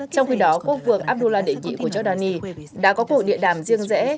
trong khi đó quốc vương abdullah đề nghị của giordani đã có cuộc điện đàm riêng rẽ